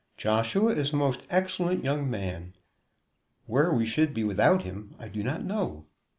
"Joshua is a most excellent young man. Where we should be without him I do not know."